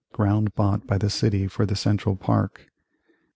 Ground bought by the city for the Central Park 1863.